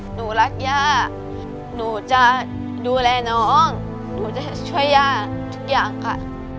หนูรักย่าหนูจะดูแลน้องหนูจะช่วยย่าทุกอย่างค่ะ